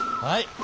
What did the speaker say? はい。